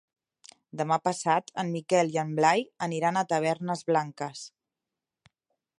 Demà passat en Miquel i en Blai aniran a Tavernes Blanques.